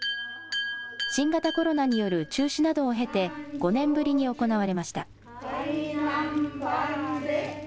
新型コロナによる中止などを経て、５年ぶりに行われました。